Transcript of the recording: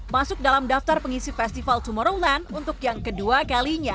masuk dalam daftar pengisi festival tomorrowland untuk yang kedua kalinya